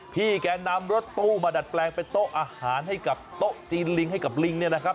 พี่แกนำรถตู้มาดัดแปลงเป็นโต๊ะอาหารให้กับโต๊ะจีนลิงให้กับลิงเนี่ยนะครับ